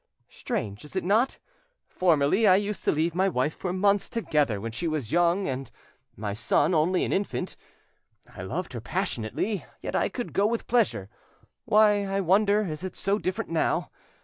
Strange, is it not? Formerly, I used to leave my wife for months together, when she was young and my son only, an infant; I loved her passionately, yet I could go with pleasure. Why, I wonder, is it so different now?